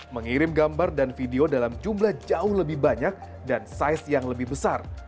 mengirim gambar dan video dalam jumlah jauh lebih banyak dan size yang lebih besar